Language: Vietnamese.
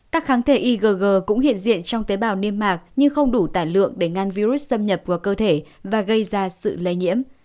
các kháng thể igg cũng hiện diện trong tế bào niêm mạc nhưng không đủ tản lượng để ngăn virus xâm nhập vào cơ thể và gây ra sự lây nhiễm